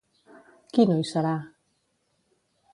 Qui no hi serà?